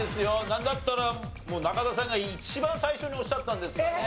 なんだったらもう中田さんが一番最初におっしゃったんですけどね。